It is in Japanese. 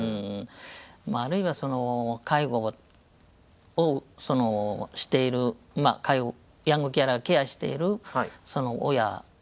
あるいはその介護をしているヤングケアラーケアしているその親は。